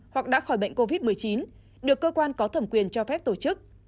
hoặc đã khỏi bệnh covid một mươi chín được cơ quan có thẩm quyền cho phép tổ chức